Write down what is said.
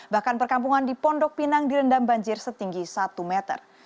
bahkan perkampungan di pondok pinang direndam banjir setinggi satu meter